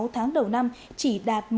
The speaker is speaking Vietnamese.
sáu tháng đầu năm chỉ đạt